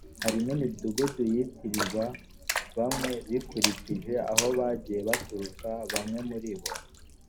hari n imidugudu yitirirwa bamwe bikurikije aho bagiye baturuka bamwe muri bo